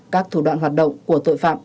các thủ đoạn hoạt động của tội phạm